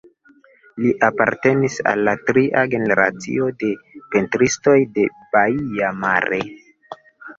Li apartenis al la tria generacio de pentristoj de Baia Mare.